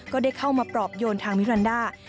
ก็ได้เข้ามาปลอบโยนทางมิรันดา